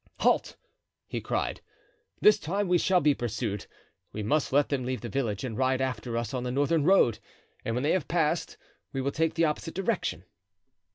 "Halt!" he cried, "this time we shall be pursued. We must let them leave the village and ride after us on the northern road, and when they have passed we will take the opposite direction."